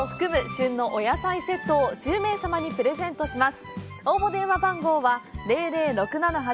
「旬のお野菜セット」を１０名様にプレゼントします。